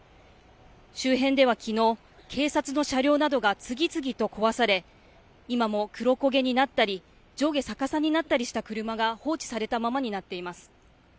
周辺ではきのう、警察の車両などが次々と壊され今も黒焦げになったり上下逆さになったりした車が放置されたままになっています。